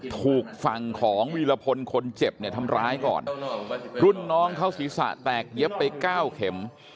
ถูกฝั่งของวีรพลคนเจ็บเนี่ยทำร้ายก่อนรุ่นน้องเขาศีรษะแตกเย็บไปเก้าเข็ม